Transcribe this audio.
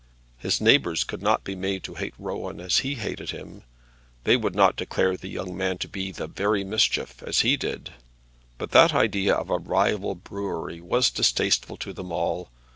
His neighbours could not be made to hate Rowan as he hated him. They would not declare the young man to be the very Mischief, as he did. But that idea of a rival brewery was distasteful to them all.